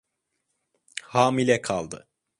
Hamile kaldı.